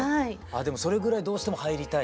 でもそれぐらいどうしても入りたい。